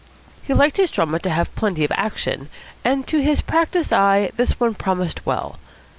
He liked his drama to have plenty of action, and to his practised eye this one promised well.